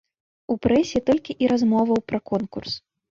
У прэсе толькі і размоваў пра конкурс.